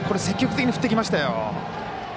積極的に振っていきましたよ。